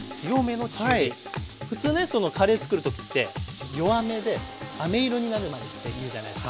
普通ねカレーつくる時って弱めであめ色になるまでっていうじゃないですか。